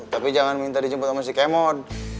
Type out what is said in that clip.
tapi jangan minta dijemput sama si kemon